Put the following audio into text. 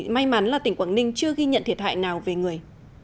may mắn là tỉnh quảng ninh chưa ghi nhận thiệt hại nào về người